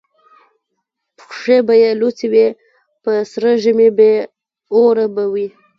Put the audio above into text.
پښې به یې لوڅي وي په سره ژمي بې اوره به وي